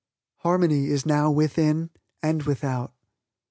Harmony is now within and without.